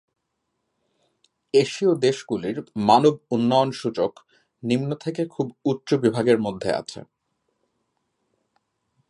এশীয় দেশগুলির মানব উন্নয়ন সূচক নিম্ন থেকে খুব উচ্চ বিভাগের মধ্যেআছে।